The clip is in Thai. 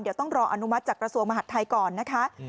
เดี๋ยวต้องรออนุมัติจากกระทรวงมหาดไทยก่อนนะคะ